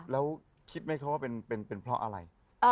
แล้วคิดไหมคะว่าเป็นเพราะอะไร